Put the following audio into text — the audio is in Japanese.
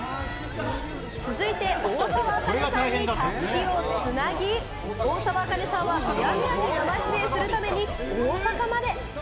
続いて大沢あかねさんにたすきをつなぎ、大沢あかねさんはミヤネ屋に生出演するために大阪まで。